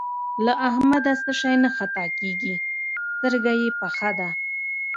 له احمده څه شی نه خطا کېږي؛ سترګه يې پخه ده.